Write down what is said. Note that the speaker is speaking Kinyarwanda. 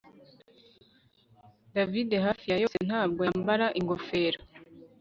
David hafi ya yose ntabwo yambara ingofero